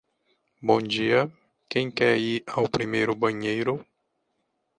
Bom dia, quem quer ir ao primeiro banheiro?